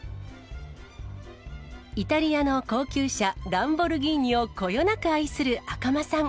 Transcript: イタリアの高級車、ランボルギーニをこよなく愛する赤間さん。